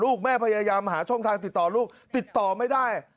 ลูกแม่พยายามหาช่องทางติดต่อลูกติดต่อไม่ได้